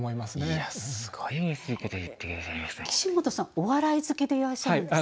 お笑い好きでいらっしゃるんですか？